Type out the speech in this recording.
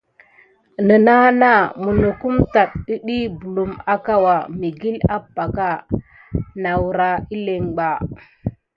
Nenana mikile apaka munokum tate kidi belma akawuya naour kilen.